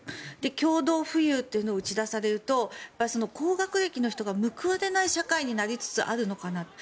共同富裕というのを打ち出されると高学歴の人が報われない社会になりつつあるのかなと。